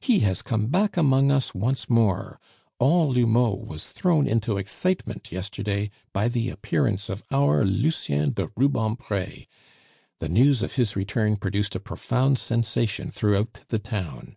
He has come back among us once more! All L'Houmeau was thrown into excitement yesterday by the appearance of our Lucien de Rubempre. The news of his return produced a profound sensation throughout the town.